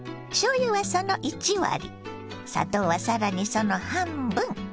しょうゆはその１割砂糖は更にその半分。